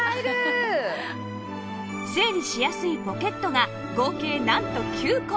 整理しやすいポケットが合計なんと９個！